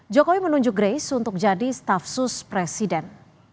jokowi menunjuk grace untuk jadi stafsus presiden